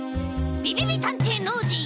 びびびたんていノージー